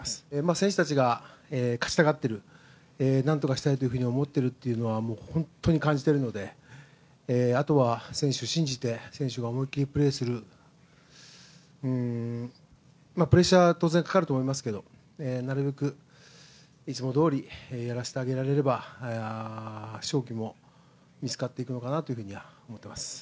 選手たちが勝ちたがってるなんとかしたいと思っているというのは本当に感じているので、あとは選手を信じて選手が思いきりプレーする、当然プレッシャーはかかると思いますがなるべくいつもどおりやらせてあげられれば、勝機も見つかっていくのかなとは思います。